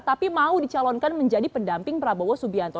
tapi mau dicalonkan menjadi pendamping prabowo subianto